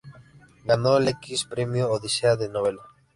Ganó el X premio Odisea de novela.